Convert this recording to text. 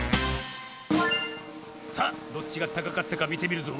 さあどっちがたかかったかみてみるぞ。